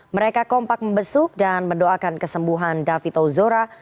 mereka kompak membesuk dan mendoakan kesembuhan david ozora